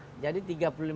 satu jam setengah